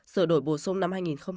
sửa đổi bổ sung năm hai nghìn một mươi